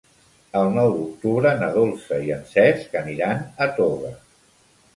El nou d'octubre na Dolça i en Cesc aniran a Toga.